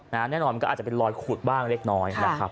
แน่นอนมันก็อาจจะเป็นรอยขูดบ้างเล็กน้อยนะครับ